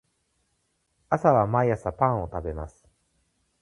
私は毎朝パンを食べます